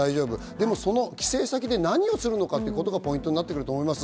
でも、その帰省先で何をするのかがポイントになってくると思います。